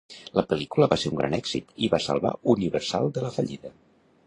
La pel·lícula va ser un gran èxit i va salvar Universal de la fallida.